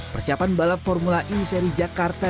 persiapan balap formula e seri jakarta